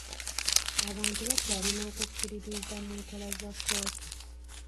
Abantu bakyalina okukiririza mu nkola za kkooti.